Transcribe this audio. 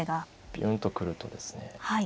ビュンと来るとですね